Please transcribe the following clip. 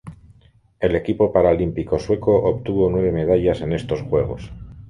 El equipo paralímpico sueco obtuvo nueve medallas en estos Juegos.